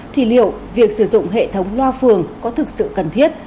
thì liệu việc sử dụng hệ thống loa phường có thực sự cần thiết